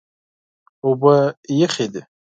اوبه یخې دي.